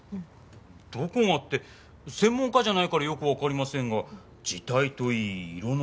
どこがって専門家じゃないからよくわかりませんが字体といい色の感じ